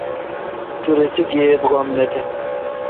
تو رسے گیب غم نہ تھ۔